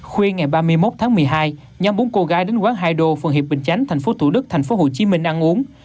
khuyên ngày ba mươi một tháng một mươi hai nhóm bốn cô gái đến quán hai đô phường hiệp bình chánh thành phố thủ đức thành phố hồ chí minh ăn uống